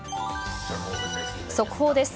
速報です。